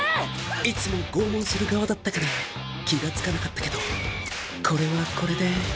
いつも拷問する側だったから気が付かなかったけどこれはこれで